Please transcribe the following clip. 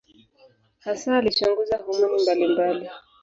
Hasa alichunguza homoni mbalimbali.